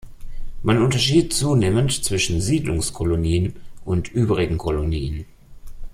Man unterschied zunehmend zwischen "Siedlungskolonien" und übrigen Kolonien.